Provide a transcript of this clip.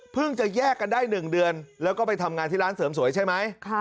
จะแยกกันได้๑เดือนแล้วก็ไปทำงานที่ร้านเสริมสวยใช่ไหม